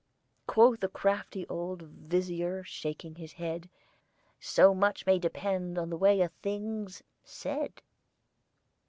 Quoth the crafty old Vizier, shaking his head, "So much may depend on the way a thing's said!"